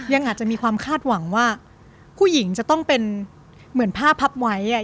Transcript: ยังอาจจะมีความคาดหวังว่าผู้หญิงจะต้องเป็นเหมือนผ้าพับไว้อ่ะ